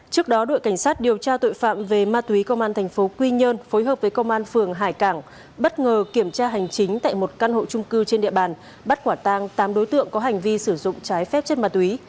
trước đó đội cảnh sát điều tra tội phạm về ma túy công an thành phố quy nhơn phối hợp với công an phường hải cảng bất ngờ kiểm tra hành chính tại một căn hộ trung cư trên địa bàn bắt quả tang tám đối tượng có hành vi sử dụng trái phép chất ma túy